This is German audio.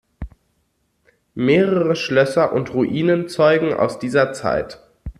Mehrere Schlösser und Ruinen zeugen aus dieser Zeit.